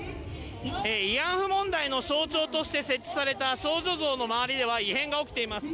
慰安婦問題の象徴として設置された少女像の周りでは異変が起きています。